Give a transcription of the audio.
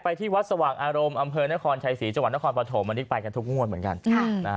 ที่วัดสว่างอารมณ์อำเภอนครชัยศรีจังหวัดนครปฐมวันนี้ไปกันทุกงวดเหมือนกัน